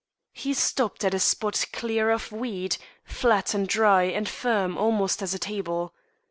He stopped at a spot clear of weed, flat and dry and firm almost as a table.